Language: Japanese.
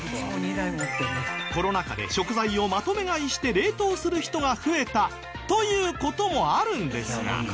コロナ禍で食材をまとめ買いして冷凍する人が増えたという事もあるんですが。